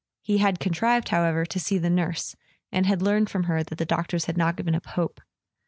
He had contrived, however, to see the nurse, and had learned from her that the doctors had not given up hope.